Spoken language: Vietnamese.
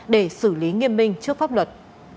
để xử lý nghiêm minh trước pháp luật